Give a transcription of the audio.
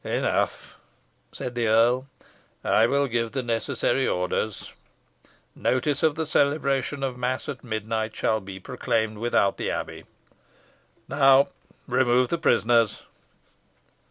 "Enough," said the earl. "I will give the requisite orders. Notice of the celebration of mass at midnight shall be proclaimed without the abbey. Now remove the prisoners."